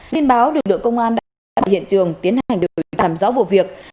liên báo đội lượng công an đã đến hiện trường tiến hành đối tượng làm rõ vụ việc